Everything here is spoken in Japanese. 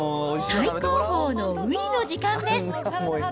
最高峰のウニの時間です。